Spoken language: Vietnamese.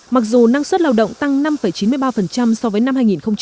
mặc dù năng suất lao động tăng năm chín mươi ba so với năm hai nghìn một mươi bảy